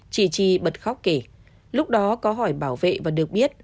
chị chi bật khóc kể lúc đó có hỏi bảo vệ và được biết